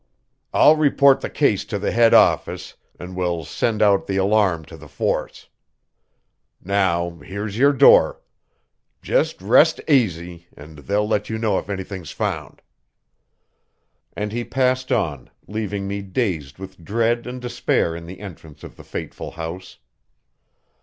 I'll report the case to the head office, an' we'll send out the alarm to the force. Now, here's your door. Just rest aisy, and they'll let you know if anything's found." And he passed on, leaving me dazed with dread and despair in the entrance of the fateful house.